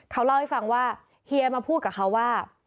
เขาเล่าให้ฟังว่าเฮียมาพูดกับเขาว่า